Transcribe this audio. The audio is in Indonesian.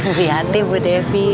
eh iya deh ibu devi